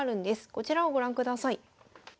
こちらをご覧ください。